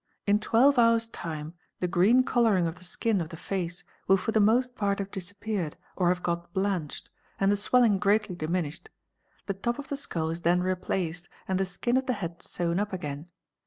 In twelve hours time the green colouring of the skin of the face will for the most part have disappeared or have got blanched, and the swelling greatly diminished; the top of the skull is then replaced and the skin of the head sewn up again.